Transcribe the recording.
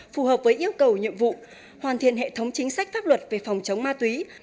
phù hợp với yêu cầu nhiệm vụ hoàn thiện hệ thống chính sách pháp luật về phòng chống ma túy